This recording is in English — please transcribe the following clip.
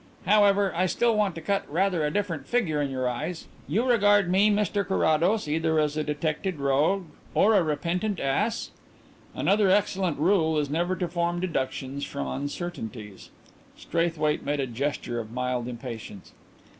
"However, I still want to cut a rather different figure in your eyes. You regard me, Mr Carrados, either as a detected rogue or a repentant ass?" "Another excellent rule is never to form deductions from uncertainties." Straithwaite made a gesture of mild impatience.